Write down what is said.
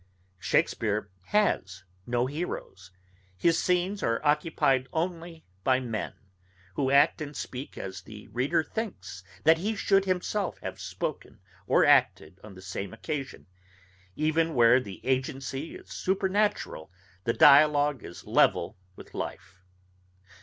Shakespeare has no heroes; his scenes are occupied only by men, who act and speak as the reader thinks that he should himself have spoken or acted on the same occasion: Even where the agency is supernatural the dialogue is level with life.